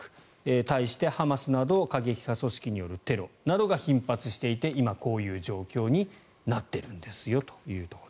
対して、ハマスなど過激派組織によるテロなどが頻発していて今、こういう状況になっているんですよと。